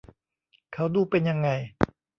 เขาดูเป็นยังไง